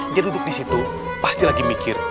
dia duduk di situ pasti lagi mikir